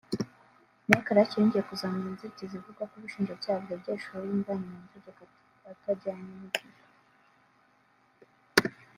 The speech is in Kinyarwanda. Me Karake yongeye kuzamura inzitizi ivuga ko ubushinjacyaha buregesha uwo yunganira amategeko atajyanye n’igihe